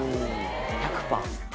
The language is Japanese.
１００％。